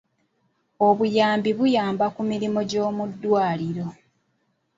Obuyambi buyamba ku mirimu gy'omuddwaliro.